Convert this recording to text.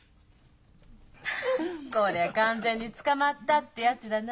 こりゃ完全に捕まったってやつだな。